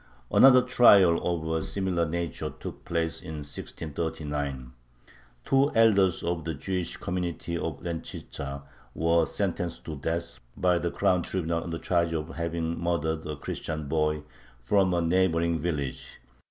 Another trial of a similar nature took place in 1639. Two elders of the Jewish community of Lenchitza were sentenced to death by the Crown Tribunal on the charge of having murdered a Christian boy from a neighboring village.